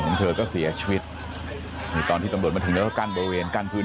เธอก็เสียชีวิตนี่ตอนที่ตำรวจมาถึงแล้วก็กั้นบริเวณกั้นพื้น